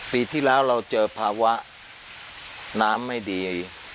ปีที่แล้วเราเจอภาวะน้ำไม่ดี